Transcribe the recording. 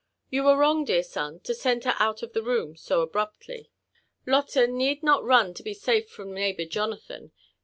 You were wrong, dear son, to send her out of the room so abruptly. Lotte need not run to be safe from neighbour Jonathan.